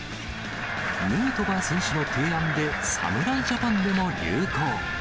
ヌートバー選手の提案で侍ジャパンでも流行。